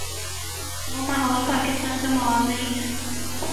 وہ ماحول پاکستان کا ماحول نہیں ہے۔